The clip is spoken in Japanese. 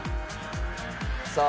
さあ。